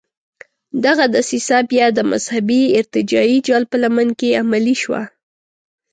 دغه دسیسه بیا د مذهبي ارتجاعي جال په لمن کې عملي شوه.